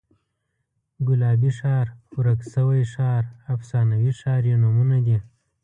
ګلابي ښار، ورک شوی ښار، افسانوي ښار یې نومونه دي.